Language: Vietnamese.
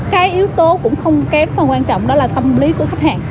cái yếu tố cũng không kém phần quan trọng đó là tâm lý của khách hàng